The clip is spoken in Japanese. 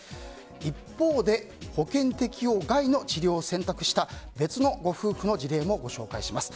一方で保険適用外の治療を選択した別のご夫婦の事例もご紹介します。